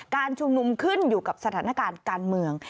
การชุมนุมขึ้นอยู่กับสถานการณ์การเมือง